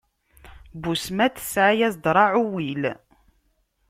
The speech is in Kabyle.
Busmat tesɛa-yas-d Raɛuwil.